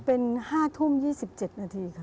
เป็น๕ทุ่ม๒๗นาทีค่ะ